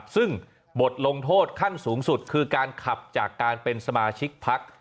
ซึ่งบทลงโทษขั้นสูงสุดคือการขับจากการเป็นสมาชิกพัก